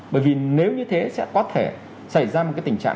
bởi vì nếu như thế sẽ có thể xảy ra một cái tình trạng